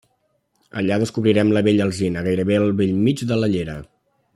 Allà descobrirem la vella alzina, gairebé al bell mig de la llera.